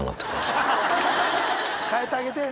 かえてあげて。